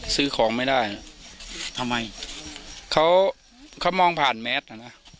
ซื้อของไม่ได้ทำไมเขาเขามองผ่านแมสอ่ะนะ